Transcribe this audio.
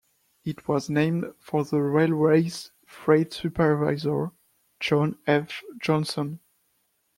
It was named for the railway's freight supervisor, John F. Johnston.